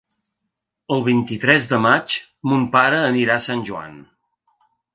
El vint-i-tres de maig mon pare anirà a Sant Joan.